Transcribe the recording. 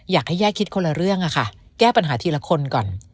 อยากให้แก้คิดคนละเรื่องค่ะแก้ปัญหาทีละคนก่อน